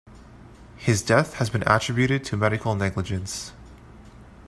His death has been attributed to medical negligence.